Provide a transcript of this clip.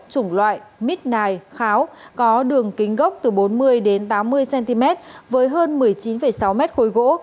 chủng loại midnight kháo có đường kính gốc từ bốn mươi đến tám mươi cm với hơn một mươi chín sáu m khối gỗ